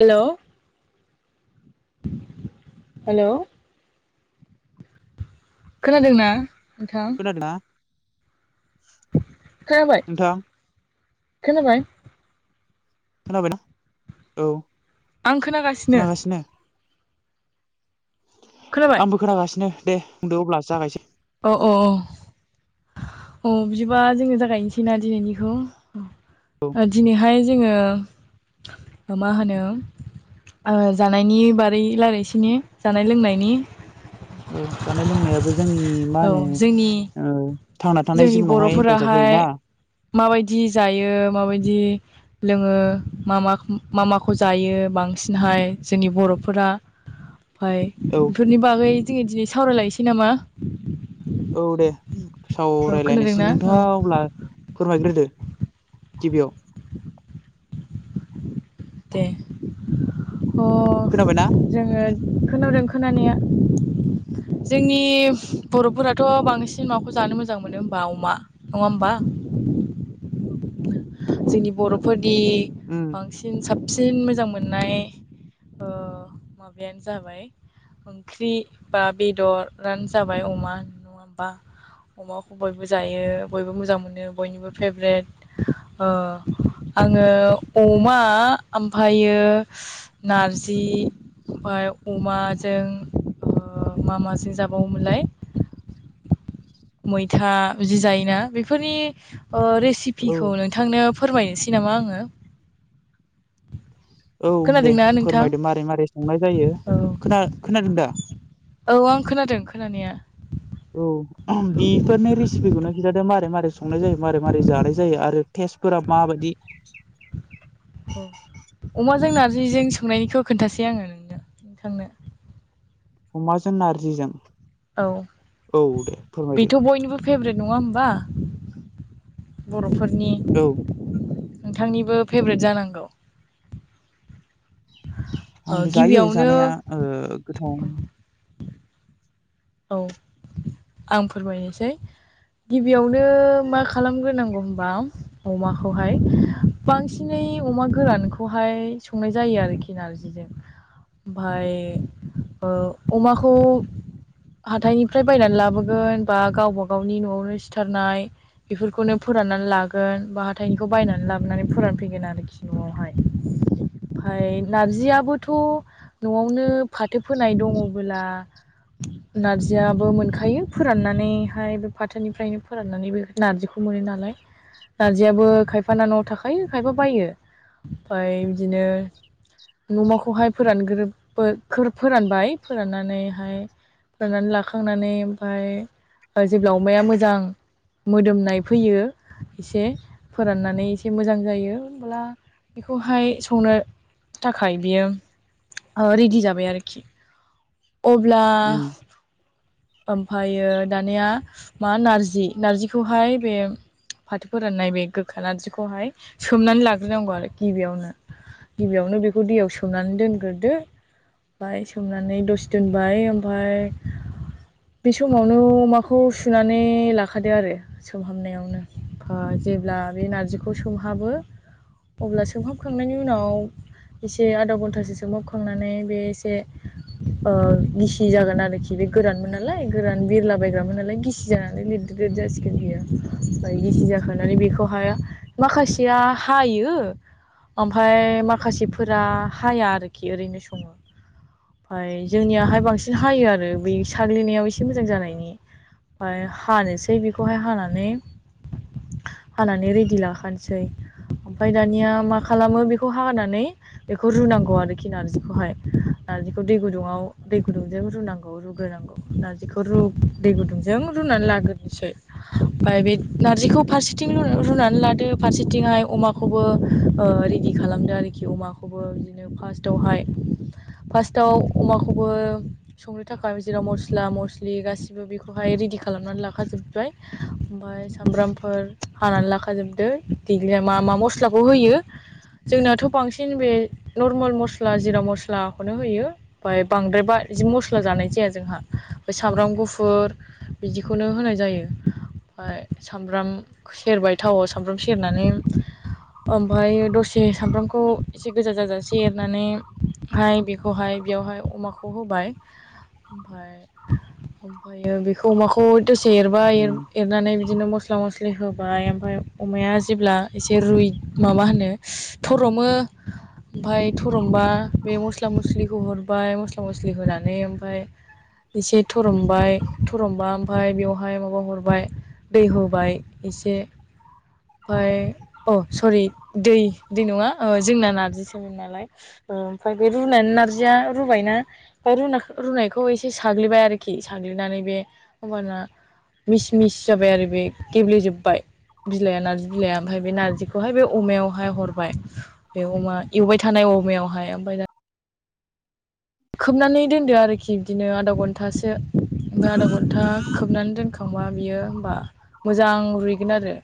हेल' hello खोनादोंना नोंथां? खोनादोना खोनाबाय खोनाबाय खोनाबायनाा औ खोनागासिनो खोनाबाय आंबो खोनागासिनो दे बुंदो अब्लासो जागायसै औ औ औ औ बिदिबा जोङो जागायनोसै ना दिनैनिखौ औ उ दिनैहाय जोङो मा होनो ओ जानायनि बारै लायरायसैने जानाय लोंनायनि। औ जानाय लोंनायाबो जोंनि मा औ होनो जोंनि ओ थांना थानाय जोंनि जिवनावहाय हेफाजाब बर'फोराहाय होयोना। माबायदि जायो माबायदि लोङो मा मा माखौ जायो बांसिनहाय जोंनि बर'फोरा फाय औ बेनि बागै जोङो दिनै सावरायलायनोसै नामा। औ दे औ सावरायायलायनोसै खोनादोंना औ नोंथाङा अब्ला फोरमायग्रोदो गिबियाव दे अ खोनाबायना जोङो खोनादों खोनानाया जोंनि बर'फोराथ' बांसिन माखौ जानो मोजां मोनो होमबा अमा नङाहोमबा जोंनि बर'फोरनि उम बां सिन साबसिन मोजां मोननाय ओ माबायानो जाबाय ओंख्रि बा बेदरानो जाबाय अमा नङा होमबा अमाखौ बयबो जायो बयबो मोजां मोनो बयनिबो फेभ्रेट ओ आङो अमा ओमफायो नारजि ओमफाय अमाजों ओ मा माजों जाबावोमोनलाय मैथा बिदि जायोना बेफोरनि औ रेसिपिखौ नों थांनो फोरमायनोसै नामा आङो औ दे खोनादोंना नोंथां फोरमायदो मारै मारै संनाय जायो औ खोना खोनादों दा औ आं खोनादों खोनानाया औ बेफोरनि रेसिपिखौनो खिन्थादो मारै मारै संनाय जायो मारै मारै जानाय जायो आरो तेज फोरा माबायदि औ अमाजों नार्जिजों संनायनिखौ खोन्थासै आङो नोंनो नोंथांनो अमाजों नारजिजों औ दे फोरमायदो बेथ' बयनिबो फेभ्रेट नङा होमबा बर'फोरनि औ नोंथांनिबो फेभ्रेट जानांगौ ओ आंबो जायो जानाया गिबियावनो गोथाव औ आं फोरमायनोसै गिबियावनो मा खालामग्रोनांगौ होनबा अमाखौहाय बांसिनै अमा गोरानखौहाय संनाय जायो आरोखि नारजिजों ओमफाय अमाखौ हाथाइनिफ्राय बायनानै लाबोगोन बा गावबा गावनि न'आवनो सिथारनाय बेफोरखौनो फोराननानै लागोन बा हाथाइनिखौ बायनानै लाबोनानै फोरानफैगोन आरोखि न'आवहाय। ओमफाय नारजियाबोथ' न'आवनो फाथो फोनाय दङबोला नारजियाबो मोनखायो फोराननानैहाय बे फाथोनिफ्रायनो फोराननानैबो नारजिखौ मोनो नालाय नारजियाबो खायफा ना न'आव थाखायो खायफा बायो ओमफाय बिदिनो न'माखौहाय फोरानग्रो फोरानबाय फोराननानैहाय राननानै लाखांनानै ओमफफ्राय जेब्ला अमाया मोजां मोदोमनाय फैयो एसे फोराननानै एसे मोजां जायो होनब्ला बेखौहाय संनो थाखाय बियो रेडि जाबाय आरोखि अब्ला ओमफ्रायो दानिया मा नारजि नारजिखौहाय बे फाथोफोराननाय बे गोखा नारजिखौहाय सोमनानै लाग्रोनांगौ आरो गिबियावनो गिबियावनो बेखौ दैयाव सोमनानै दोनग्रोदो बाय सोमनानै दसे दोनबाय ओमफफ्राय बे समावनो अमाखौ सुनानै लाखादो आरो सोमहाबनायावनोा जेब्ला बे नारजिखौ सोमहाबो अब्ला सोंखाबखांनायनि उनाव एसे आधा घन्टासो सोोमोबखांनानै बे एसे गिसि जागोन आरोखि बे गोरानमोन नालाय गोरान बिरलाबायायग्रामोन नालाय गिसि जानानै लिरदेर लिर जासिगोन बियो ओमफ्राय गिसि जाखांानानै बेखौहाय माखासेया हायो ओमफफ्राय माखासेफोरा हाया आरोखि ओरैनो सङो ओमफ्राय जोंनियाहाय बांसिन हायो आरो बै साग्लिनायाव एसे मोजां जानायनि ओमफ्राय हानोसै बेखौहाय हानानै हानानै रेडि लाखानोसै ओमफफ्राय दानिया मा खालामो बेखौ हानानै बेखौ रुनांगौ आरोखि नारजिखौहाय नारजिखौ दै गुदुङाव दै गुदुंजों रुनांगौ रुग्रोनांगौ नारजिखौ रु दै गुदुंजों रुनानै लाग्रोसै ओमफ्राय बे नारजिखौ फारसेथिं रुनानै लादो फारसेथिंहाय अमाखौ खौबो रेडि खालामदो आरोखि अमाखौबो बिदिनो फार्स्टावहाय फार्स्टआव अमाखौबो संनो थाखाय जेराव मस्ला मस्लि गासिबो बेखौहाय रेडि खालामनानै लाखा जोब्बाय ओमफ्राय सामब्रामफो हानानै लाखाजोबदो देग्लिया मा मा मस्लाखौ होयो जोंनाथ' बांसिन बे नरमेल मस्ला जिरा मस्लाखौनो होयो ओमफ्राय बांद्राय बा मस फस्ला जानाय जाया जोंहा मफ्राय सामब्राम गुफुर बिदिखौनो होनाय जायो ओमफ्राय सामब्राम सेरबाय थावआव सामब्राम सेरनानै ओमफ्राय दसे सामब्रामखौ एसे गोजा जाजासे एरनानै हाय बेखौहाय बेवहाय अमाखौ होबाय ओमफाय ओमफ्रायो बेखौ अमाखौ दोसे एरबाय उम एरनानै बिदिनो मस्ला मस्लि होबाय ओमफ्राय अमाया जेब्ला एसे रुइ माबा होनो थ'रमो ओमफ्राय थरमबा बे मस्ला मस्लिखौ हरबाय मस्ला मस्लि होनानै ओमफ्राय एसे रमबाय रमबा ओमफ्राय बेवहाय माबा हरबाय दै होबाय एसे ओमफ्राय अ सरि दै दै नङा ओ जोंना नारजिसोमोन नालाय ओ ओमफ्राय बे रुनानै नारजिया रुबायना फाय रु-रुनायखौ एसे साग्लिबाय आरोखि साग्लिनानै बे होमबाना मिस मिस जाबाय आरो बे गेब्लेेजोबबाय बिलाइया नारजि बिलाइ ओमफ्राय बे नारजिखौहाय बे अमायावहाय हरबाय बे अमा एवबाय थानाय अमायावहाय ओमफ्राय दा खोबनानै दोनदो आरोखि बिदिनो आधा घन्टासो गानुगुथा खोबनानै दोनखांबा बियो होमबा मोजां रुइगोन आरो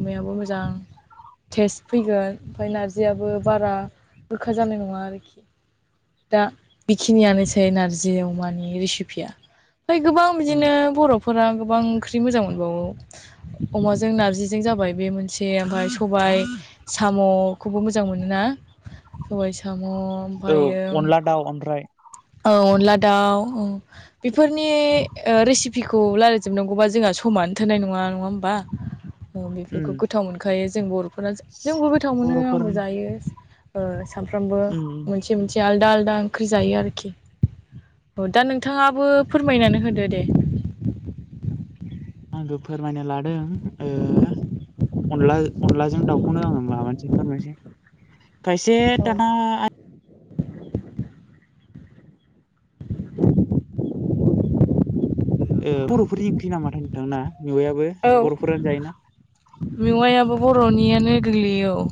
अमायाबो मोजां टेस्ट फैगोन ओमफ्राय नारजियाबो बारा बोखा जानाय नङा आरोखि दा बेखिनियानोसै नारजि अमानि रेसिपिया ओमफ्राय गोबां उम बिदिनो बर' फोरा गोबां ओंख्रि मोजां मोनबावो अमाजों नारजिजों जाबाय बे मोनसे आमफाय सबाय साम'खौबो मोजां मोनोना सबाय साम' ओमफ्रायो दाव ओमफ्राय औ अनला दाउ औ बेफोरनि रेसिपिखौ रायल्लायजोबनांगौबा जोंहा समानो थोनाय नङा नङा होमबा बेफोरखौ उम गोथाव मोनखायो जों बर'फोरा जोंबो गोथाव मोनो बर'फोर आंबो उम जायो सानफ्रामबो मोनसे मोनसे आलदा आलदा ओंख्रि जायो आरोखि औ दा नोंथाङाबो फोरमायनानै होदो दे आंदो फोरमायनो लादों अनला अनलाजों दाउखौनो आङो मानोसै फोरमायसै खायसे औ दाना ओ बर'फोरनि ओंख्रि नामाथाय नोंथां मेवाइयाबो औ मेवाइयाबो बर'नियानो गोग्लैयो औ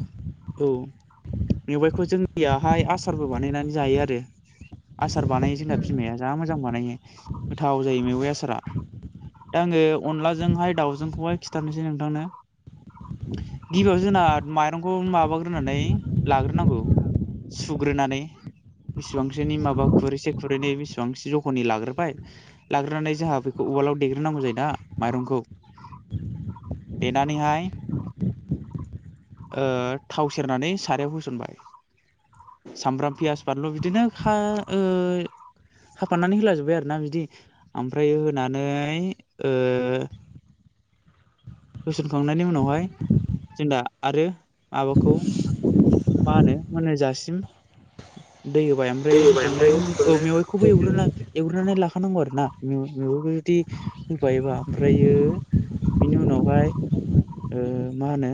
औ मेवाइखौ जोंनियाहाय आसारबो बानायनानै जायो आरो आसार बानायो जोंना बिमाया जा मोजां बानायो गोथाव जायो मेवाइ आसारा दा आङो अनलाजों हाय दाउजोंखौ हाय खिथनोसै नोंथांनो गिबियाव जोंना माइरंखौ माबाग्रोनानै लाग्रोनांगौ सुग्रोनानै बेसेबांसोनि माबा खुरैसे खुरैनै बेसेबांसो जखनि लाग्रोबाय लाग्रोनानै जोंहा बेखौ उवालाव देग्रोनांगौ जायो ना माइरंखौ देनानैहाय ओ थाव सेरनानै सारायाव होसनबाय सामब्राम पियास बानलु बिदिनो खा ओ खाफानानै होलाजोब्बाय आरोना बिदि ओमफ्राय होनानै ओ होसनखांनायनि उनाव हाय जों दा आरो माबाखौ मा होनो मोनहोजासिम दै होबाय आमफ्राय होखांनायनि औ मेवाइखौबो एवग्रोना एवग्रोननानै लाखानांगौ आरो ना मेव मेवाखो जुदि होफायोबा ओमफ्रायो बिनि उनावहाय ओ मा होनो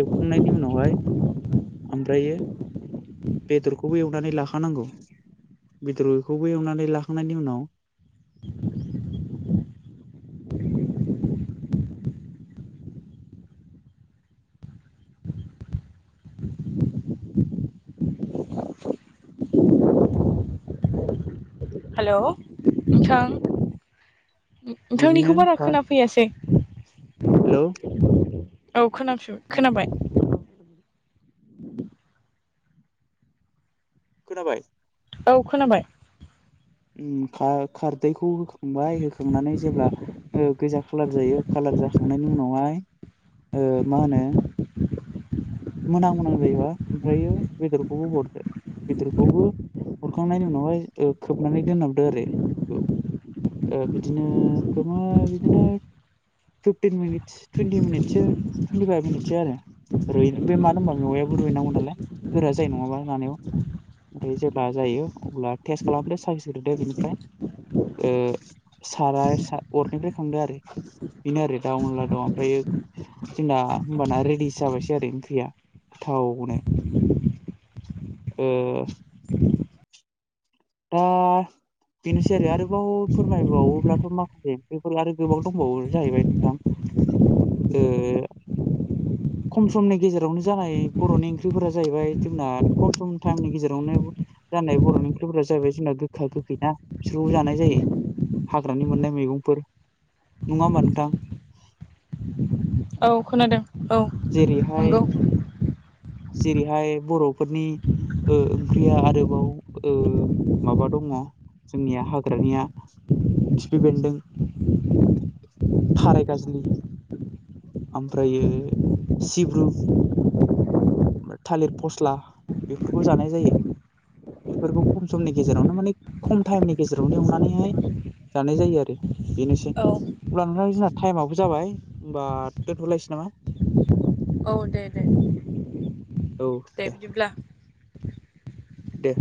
एवखांनायनि उनावहाय ओमफ्रायो बेदरखौबो एवनानै लाखानांगौ बेदरखौबो एवनानै लाखांनायनि उनाव हेलौ नोंथां बिदिनो नोंथांनिखौ बारा खोनाफैयासै हेलौ औ खोनाफु खोनाबाय खोनाबाय औ खोनाबाय। उम खा-खारदैखौ होखांबाय होखांनानै जेब्ला ओ गोजा खालार जायो खालार जाखांनायनि उनाव हाय ओ मा होनो [inaudible] मोनां मोनां जायोबा ओमफ्रायो बेदरखौबो हरदो बेदरखौबो हरखांनायनि उनावहाय ओ खोबनानै दोनहाबदो आरो बेखौ ओ बिदिनो खोमा बिदिनो फिफ्टिन मिनिटस टुइन्टि मिनिटसो टुइन्टिफाइभ मिनिटसो आरो रुय बे मानो होनबा मेवायाबो रुइनांगौ नालाय गोरा जायो नङाबा जानायाव ओमफ्राय जेब्ला जायो अब्ला टेस्ट खालामदो सास होोग्रोदो बेनिफ्राय ओ साराय अरनिफ्राय खांदो आरो बेनो आरो दा अनला दं आमफ्रायो जोंना होमबाना रेडि जाबायसै आरो ख्रिया गोथावनो ओ दा बेनोसै आरो आरोबाव फोरमाय बावोब्लाथ माखासे बेफोर आरो गोबां दंबावो जाहैबाय नोंथां। [inaudible] ओ [inaudible] खम समनि गेजेरावनो जानाय बरनि ओंख्रिफोरा जाहैबाय जोंना खम सम टाइमनि गेजेरावनो जानाय बरनि ओं ख्रिफोरा जाहैबाय जोंना गोखा गोखैना बिसोरखौबो जानाय जायो हाग्रानि मोननाय मैगंफोर। नङा होनबा नोंथां? औ खोनादों औ जेरै हाय नंगौ जेरै हाय बर फोरनि ओ ओंख्रिया आरोबाव ओ माबा दङ। जोंनिया हाग्रानिया खिफि बेन्दों थाराय गाजलि ओमफ्रायो सिब्रु ओफ्राय थालिर फस्ला बेफोरखौ जानाय जायो। बेफोरखौ खम समनि गेजेरावनो माने खम टाइमनि गेजेरावनो एवनानै हाय जानाय जायो आरो बेनोसै औ हब्ला नोंथां जोंना टाइमाबो जाबाय होमबा दोनथलायसै नामा? औ दे दे औ दे दे